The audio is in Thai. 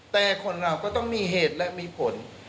แต่คนเราก็ต้องมีเหตุและมีผล